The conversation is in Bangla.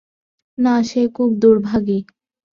না, সে খুব দুর্ভাগী!